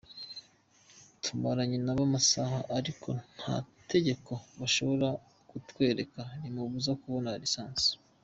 “Tumaranye nabo amasaha ariko nta tegeko bashoboye kutwereka rimubuza kubona ‘License’.